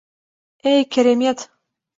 — Эй, керемет!